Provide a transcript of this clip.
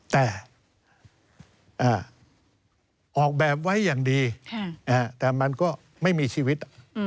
แต่ออกแบบไว้อย่างดีแต่มันก็ไม่มีชีวิต